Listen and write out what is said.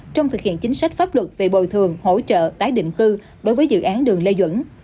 trong thực hiện chính sách pháp luật về bồi thường hỗ trợ tái định cư đối với dự án đường lê duẩn